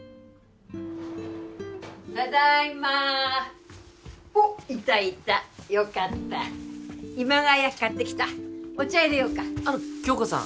ただーいまーおっいたいたよかった今川焼き買ってきたお茶いれようかあのっ響子さん